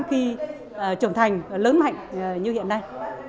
khi trở thành lớn mạnh như hiện nay